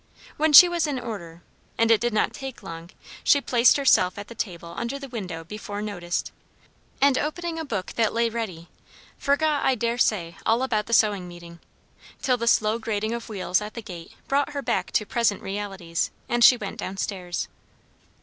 When she was in order, and it did not take long, she placed herself at the table under the window before noticed, and opening a book that lay ready, forgot I dare say all about the sewing meeting; till the slow grating of wheels at the gate brought her back to present realities, and she went down stairs.